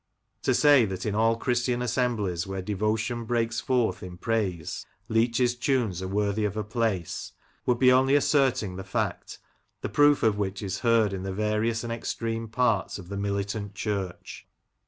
... To say that in all Christian assemblies where devotion breaks forth in praise, Leach's tunes are worthy of a place, would be only asserting the fact, the proof of which is heard in the various and extreme parts of the militant * Church.